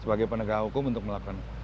sebagai penegak hukum untuk melakukan